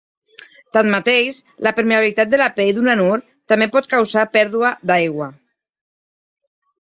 Tanmateix, la permeabilitat de la pell d'un anur també pot causar pèrdua d'aigua.